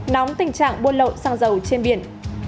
nóng tình trạng buôn lậu sang dầu trên biển